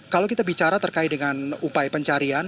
kalau kita bicara terkait dengan upaya pencarian